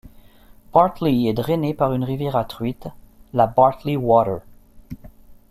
Bartley est drainé par une rivière à truites, la Bartley Water.